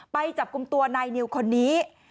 ไปจับกลุ่มตัวนายนิวคนนี้